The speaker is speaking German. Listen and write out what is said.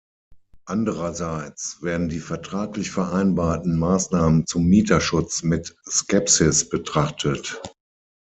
Andererseits werden die vertraglich vereinbarten Maßnahmen zum Mieterschutz mit Skepsis betrachtet.